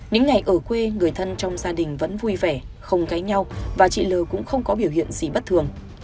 những ngày ở quê người thân trong gia đình vẫn vui vẻ không gáy nhau và chị l cũng không có biểu hiện gì bất thường